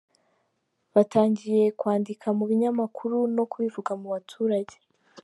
Batangiye kwandika mu binyamakuru no kubivuga mu baturage.